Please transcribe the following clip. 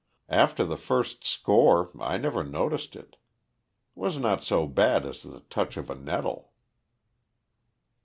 After the first score I never noticed it; was not so bad as the touch of a nettle."